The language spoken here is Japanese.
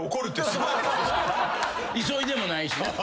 急いでもないしな。